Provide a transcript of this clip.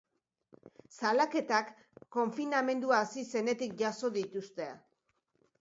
Salaketak konfinamendua hasi zenetik jaso dituzte.